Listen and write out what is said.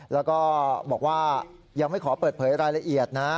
แล้วก็บอกว่ายังไม่ขอเปิดเผยรายละเอียดนะ